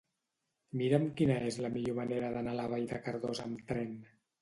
Mira'm quina és la millor manera d'anar a Vall de Cardós amb tren.